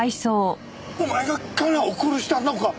お前が香奈を殺したのか？